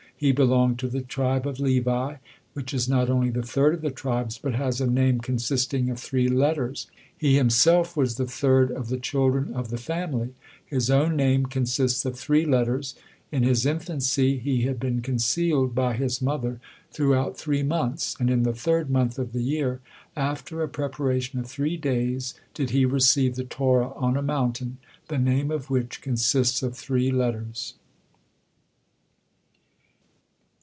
He belonged to the tribe of Levi, which is not only the third of the tribes, but has a name consisting of three letters. He himself was the third of the children of the family; his own name consists of three letters; in his infancy he had been concealed by his mother throughout three months; and in the third month of the year, after a preparation of three days, did he receive the Torah on a mountain, the name of which consists of three letters.